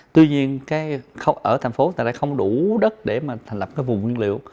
tuy nhiên ở thành phố tại đây không đủ đất để mà thành lập cái vùng nguyên liệu